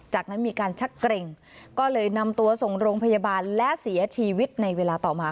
จากนั้นมีการชักเกร็งก็เลยนำตัวส่งโรงพยาบาลและเสียชีวิตในเวลาต่อมา